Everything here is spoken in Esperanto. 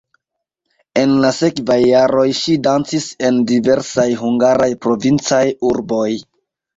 En la sekvaj jaroj ŝi dancis en diversaj hungaraj provincaj urboj.